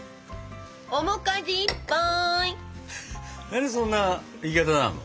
何でそんな言い方なの。